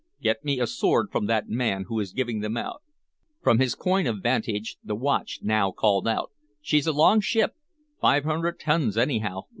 "Get me a sword from that man who is giving them out." From his coign of vantage the watch now called out: "She's a long ship, five hundred tons, anyhow!